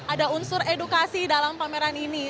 ada unsur edukasi dalam pameran ini